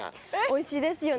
おいしいですよね。